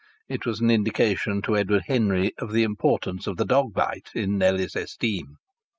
It was an indication to Edward Henry of the importance of the dog bite in Nellie's esteem.